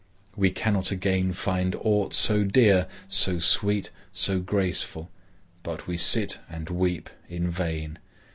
We cannot again find aught so dear, so sweet, so graceful. But we sit and weep in vain.